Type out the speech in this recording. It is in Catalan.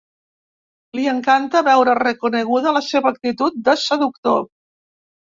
Li encanta veure reconeguda la seva actitud de seductor.